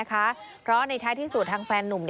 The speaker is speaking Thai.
เพราะในท้ายที่สุดทางแฟนนุ่ม